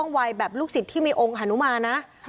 ทั้งหมดนี้คือลูกศิษย์ของพ่อปู่เรศรีนะคะ